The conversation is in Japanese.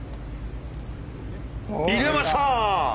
入れました！